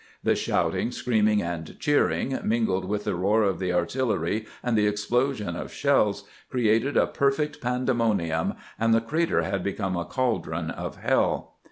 The shouting, screaming, and cheering, mingled with the roar of the artillery and the explosion of shells, created a perfect pandemonium, and the crater had become a caldron of hell.